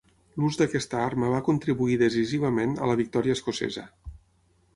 L'ús d'aquesta arma va contribuir decisivament a la victòria escocesa.